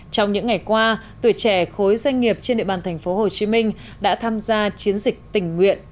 trong những ngày qua tuổi trẻ khối doanh nghiệp trên địa bàn tp hcm đã tham gia chiến dịch tình nguyện